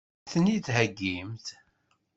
Ad sen-ten-id-theggimt?